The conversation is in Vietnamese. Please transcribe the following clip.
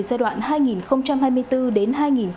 giai đoạn hai nghìn hai mươi bốn đến